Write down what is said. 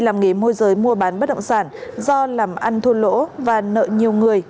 môi giới mua bán bất động sản do làm ăn thua lỗ và nợ nhiều người